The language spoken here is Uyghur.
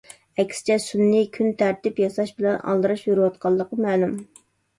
ئەكسىچە سۈنئىي كۈن تەرتىپ ياساش بىلەن ئالدىراش يۈرۈۋاتقانلىقى مەلۇم.